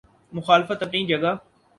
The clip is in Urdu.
مخالفت اپنی جگہ۔